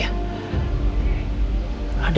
ada apa hubungannya